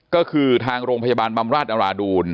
ก็คือทางโรงพยาบาลบำราชอราดูล